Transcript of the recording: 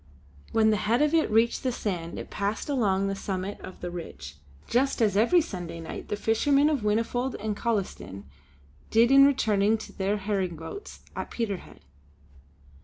When the head of it reached the sand, it passed along the summit of the ridge, just as every Sunday night the fishermen of Whinnyfold and Collieston did in returning to their herring boats at Peterhead.